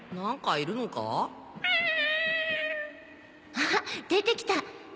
あっ出てきた。